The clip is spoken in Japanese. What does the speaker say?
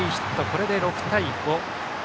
これで６対５。